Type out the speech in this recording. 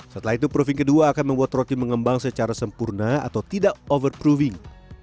setelah itu proofing kedua akan membuat roti mengembang secara sempurna atau tidak overproofing